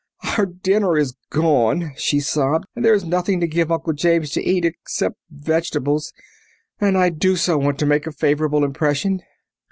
"Our dinner is gone," she sobbed. "And there is nothing to give Uncle James to eat except vegetables and I do so want to make a favourable impression!"